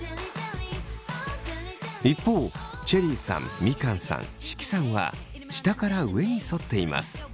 一方チェリーさんみかんさん識さんは下から上にそっています。